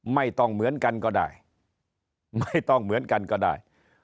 ไม่ต้องเหมือนกันก็ได้ไม่ต้องเหมือนกันก็ได้